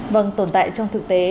vâng tồn tại trong thực tế